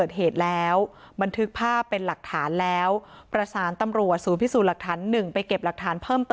เมื่อนบ้างก็ยืนยันว่ามันเป็นแบบนั้นจริง